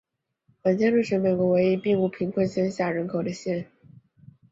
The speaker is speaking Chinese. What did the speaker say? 本县是全美国唯一并无贫穷线下人口的县。